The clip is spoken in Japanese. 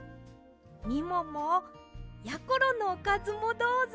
みももやころのおかずもどうぞ。